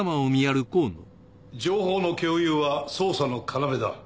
情報の共有は捜査の要だ。